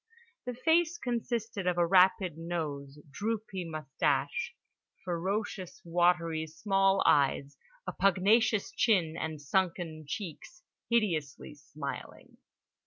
The face consisted of a rapid nose, droopy moustache, ferocious watery small eyes, a pugnacious chin, and sunken cheeks hideously smiling.